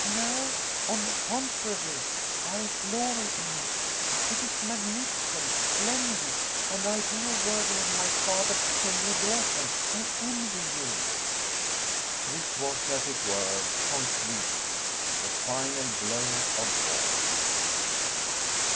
"No; on the contrary, I glory in it. It is magnificent, splendid an idea worthy of my father. Henry Lawson, I envy you." This was, as it were, conclusive. The final blow of all.